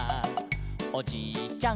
「おじいちゃん